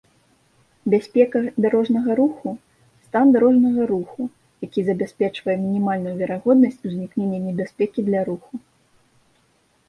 бяспека дарожнага руху — стан дарожнага руху, які забяспечвае мінімальную верагоднасць узнікнення небяспекі для руху